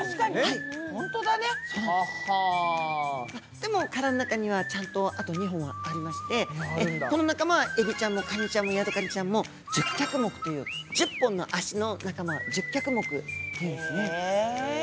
でも殻の中にはちゃんとあと２本ありましてこの仲間はエビちゃんもカニちゃんもヤドカリちゃんも十脚目という１０本の脚の仲間十脚目と言うんですね。